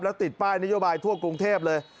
แล้วติดป้ายนโยบายทั่วกรุงเทพเลย